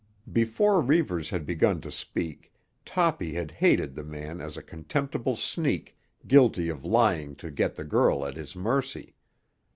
Before Reivers had begun to speak Toppy had hated the man as a contemptible sneak guilty of lying to get the girl at his mercy.